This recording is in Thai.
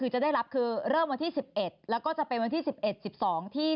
จะได้รับเริ่มวันที่๑๑แล้วก็จะเป็นวันที่๑๑๑๒